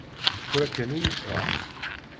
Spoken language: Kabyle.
Tura kkan i yeffeɣ.